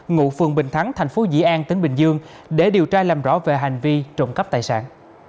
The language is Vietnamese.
ngụ phường bình thắng thành phố dĩ an tỉnh bình dương để điều tra làm rõ về hành vi trộm cắp tài sản